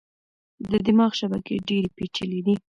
د دماغ شبکې ډېرې پېچلې دي.